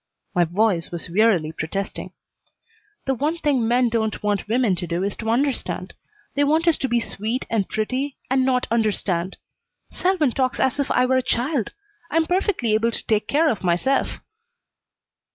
My voice was wearily protesting. "The one thing men don't want women to do is to understand. They want us to be sweet and pretty and not understand. Selwyn talks as if I were a child. I am perfectly able to take care of myself."